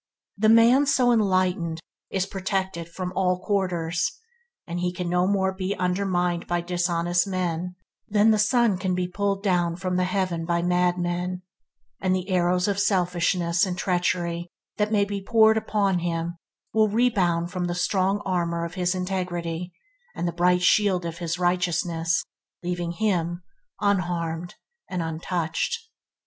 The man so enlightened is protect from all quarters, and can no more be undermined by dishonest men than the sun can be pulled down from heaven by madmen, and the arrows of selfishness and treachery that may be poured upon him will rebound from the strong armour of his integrity and the bright shield of his righteousness, leaving him unharmed and untouched.